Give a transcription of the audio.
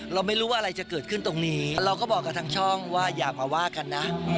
เราไม่รู้ว่าอะไรจะเกิดขึ้นตรงนี้เราก็บอกกับทางช่องว่าอย่ามาว่ากันนะ